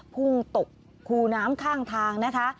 พุ่งตกคูน้ำข้างทางนะคะ